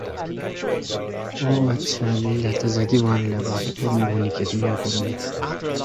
He guest-starred on the David Janssen crime drama series "Richard Diamond, Private Detective".